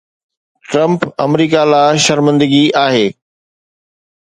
Trump آمريڪا لاءِ شرمندگي آهي